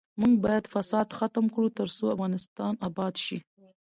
موږ باید فساد ختم کړو ، ترڅو افغانستان اباد شي.